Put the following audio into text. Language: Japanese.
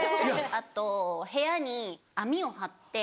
あと部屋に網を張って。